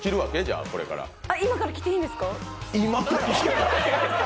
今から着ていいですか？